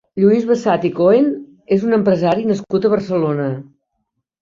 Lluís Bassat i Coen és un empresari nascut a Barcelona.